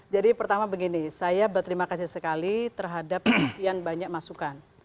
pertama begini saya berterima kasih sekali terhadap sekian banyak masukan